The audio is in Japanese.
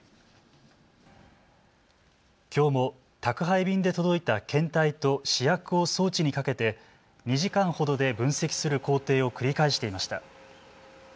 きょうも宅配便で届いた検体と試薬を装置にかけて２時間ほどで分析する工程を繰り返していました。